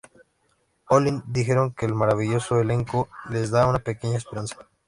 Online dijeron que el "maravilloso elenco" les da una pequeña esperanza.